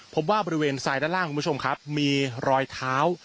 พบว่าบริเวณทรายด้านล่างคุณผู้ชมครับมีรอยเท้า